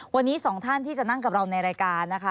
วันนี้สองท่านที่จะนั่งกับเราในรายการนะคะ